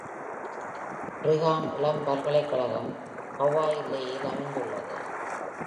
Brigham இளம் பல்கலைக்கழகம்-ஹவாய் லேயில் அமைந்துள்ளது.